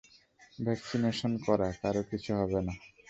Vaccination করা, কারো কিছু হবে না।